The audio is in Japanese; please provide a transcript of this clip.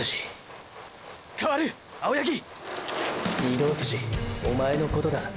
御堂筋おまえのことだ。